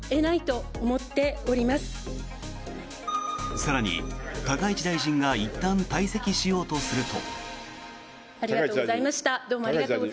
更に、高市大臣がいったん退席しようとすると。